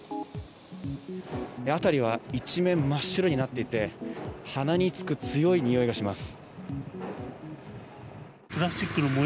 辺りは一面真っ白になっていて鼻につく強いにおいがします。